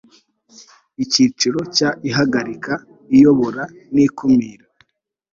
icyiciro cya ihagarika iyobora n ikumira